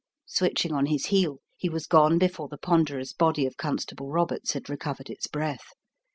Switching on his heel, he was gone before the pon derous body of Constable Roberts had recovered its breath.